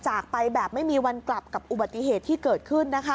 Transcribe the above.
จากไปแบบไม่มีวันกลับกับอุบัติเหตุที่เกิดขึ้นนะคะ